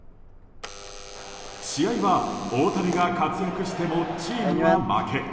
試合は大谷が活躍してもチームは負け。